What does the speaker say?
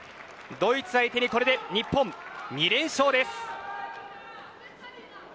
ドイツ相手にこれで日本は２連勝です。